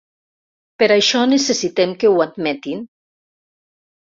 Per això necessitem que ho admetin.